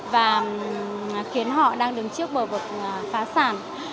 và khiến họ đang đứng trước bờ vực phá sản